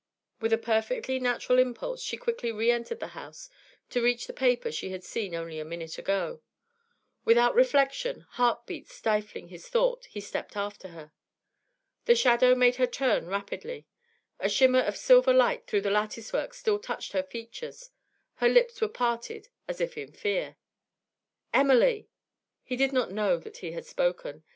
With a perfectly natural impulse, she quickly re entered the house, to reach the paper she had seen only a minute ago. Without reflection, heart beats stifling his thought, he stepped after her. The shadow made her turn rapidly; a shimmer of silver light through the lattice work still touched her features; her lips were parted as if in fear. 'Emily!' He did not know that he had spoken.